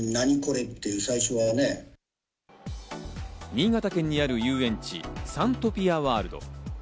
新潟県にある遊園地・サントピアワールド。